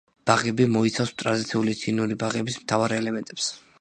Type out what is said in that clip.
ბაღები მოიცავს ტრადიციული ჩინური ბაღების მთავარ ელემენტებს.